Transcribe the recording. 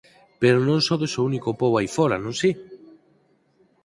Pero non sodes o único pobo aí fora, non si?